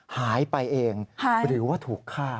หายไปเองหรือว่าถูกฆ่า